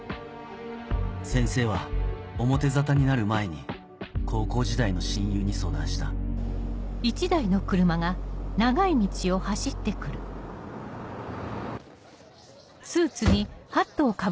先生は表沙汰になる前に高校時代の親友に相談したおはようございます。